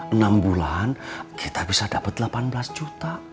enam bulan kita bisa dapat delapan belas juta